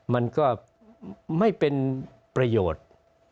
มันก็ไม่เป็นประโยชน์